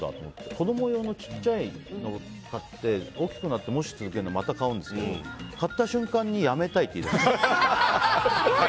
子供用の小さいのを買って大きくなって続けるならまた買うんですけど買った瞬間にやめたいって言い出して。